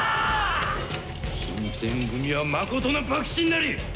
新選組は誠の幕臣なり！